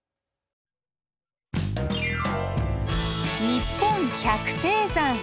「にっぽん百低山」。